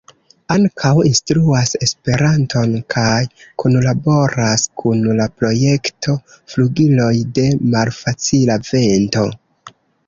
Ankaŭ instruas Esperanton kaj kunlaboras kun la projekto Flugiloj de Malfacila Vento.